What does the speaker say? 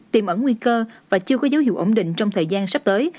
tìm ẩn nguy cơ và chưa có dấu hiệu ổn định trong thời gian sắp tới